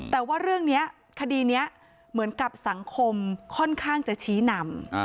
แต่ว่าเรื่องนี้คดีนี้เหมือนกับสังคมค่อนข้างจะชี้นำ